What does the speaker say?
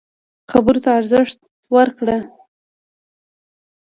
خبرو ته ارزښت ورکړه.